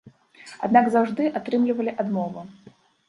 Аднак заўжды атрымлівалі адмову.